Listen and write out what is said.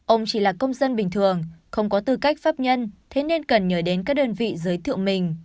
ông chỉ là công dân bình thường không có tư cách pháp nhân thế nên cần nhớ đến các đơn vị giới thiệu mình